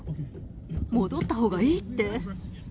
戻ったほうがいいって。